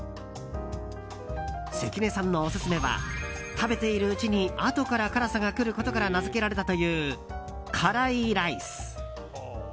関根さんのオススメは食べているうちにあとから辛さが来ることから名づけられたという辛来飯。